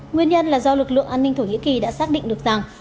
nguyên nhân là do lực lượng an ninh thổ nhĩ kỳ đã xác định được rằng